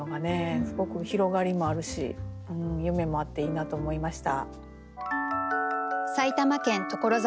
すごく広がりもあるし夢もあっていいなと思いました。